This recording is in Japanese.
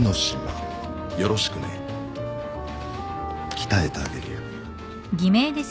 鍛えてあげるよ。